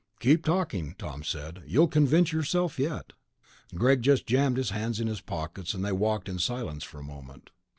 "Keep talking," Tom said. "You'll convince yourself yet." Greg just jammed his hands in his pockets, and they walked in silence for a moment.